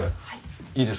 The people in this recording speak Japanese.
はい。